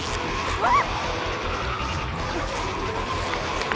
うわっ！